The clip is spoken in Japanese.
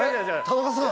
田中さん。